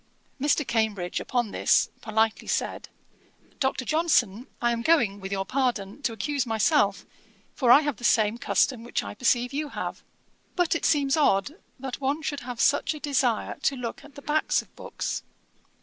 Mr. Cambridge, upon this, politely said, 'Dr. Johnson, I am going, with your pardon, to accuse myself, for I have the same custom which I perceive you have. But it seems odd that one should have such a desire to look at the backs of books.'